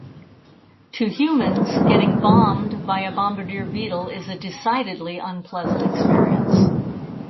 To humans, getting "bombed" by a bombardier beetle is a decidedly unpleasant experience.